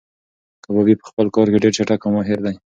کبابي په خپل کار کې ډېر چټک او ماهیر دی.